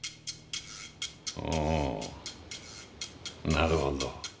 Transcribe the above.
なるほど。